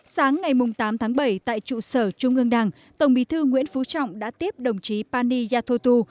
sáng ngày tám tháng bảy tại trụ sở trung ương đảng tổng bí thư nguyễn phú trọng đã tiếp đồng chí pani yathotu